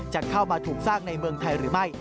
จะเข้ามาถูกสร้างในเมืองไทยหรือไม่